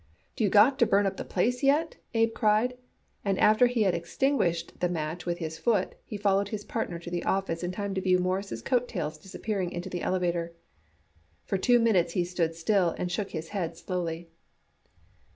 "Do you got to burn the place up yet?" Abe cried, and after he had extinguished the match with his foot, he followed his partner to the office in time to view Morris' coat tails disappearing into the elevator. For two minutes he stood still and shook his head slowly.